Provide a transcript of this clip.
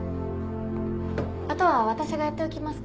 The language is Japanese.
あとは私がやっておきますから。